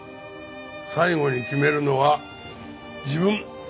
最後に決めるのは自分。